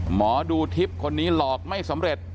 หมอดูทิพย์คนนี้หลอกไม่สำเร็จ